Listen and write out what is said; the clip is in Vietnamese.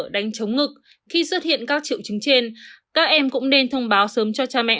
đánh chống ngực khi xuất hiện các triệu chứng trên các em cũng nên thông báo sớm cho cha mẹ